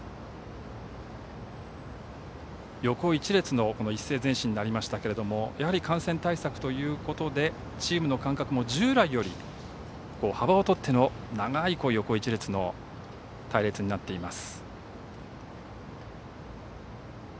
横１列の一斉前進になりましたがやはり感染対策ということでチームの間隔も従来より幅をとっての長い横１列の隊列になっています。